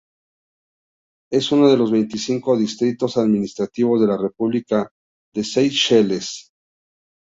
Es uno de los veinticinco distritos administrativos de la república de Seychelles.